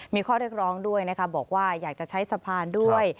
มีข้อเรียกร้องด้วยนะคะบอกว่าอยากจะใช้สะพานด้วย